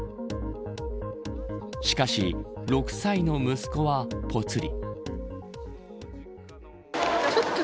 しかし、６歳の息子はぽつり。